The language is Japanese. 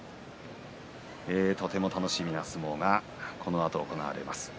とても楽しみな相撲がこのあと組まれます。